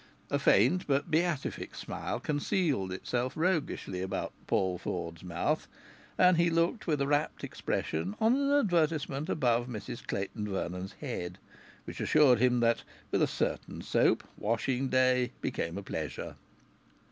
A faint but beatific smile concealed itself roguishly about Paul Ford's mouth, and he looked with a rapt expression on an advertisement above Mrs Clayton Vernon's head, which assured him that, with a certain soap, washing day became a pleasure.